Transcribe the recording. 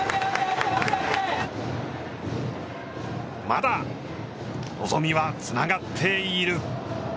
まだ望みはつながっている。